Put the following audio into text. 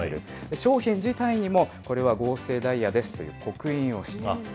商品自体にもこれは合成ダイヤですという刻印をします。